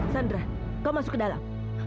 sandra kau masuk ke dalam